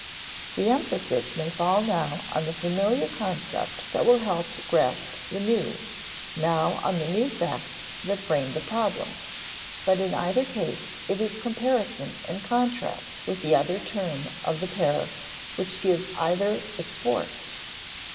The emphasis may fall now on the familiar concept that will help grasp the new, now on the new facts that frame the problem; but in either case it is comparison and contrast with the other term of the pair which gives either its force.